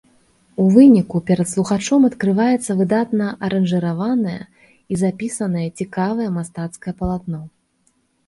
У выніку перад слухачом адкрываецца выдатна аранжыраванае і запісанае, цікавае мастацкае палатно.